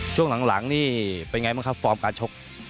ช่วงหลังนี่เป็นไงบ้างครับฟอร์มการชก